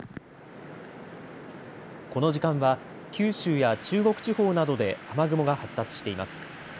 この時間は九州や中国地方などで雨雲が発達しています。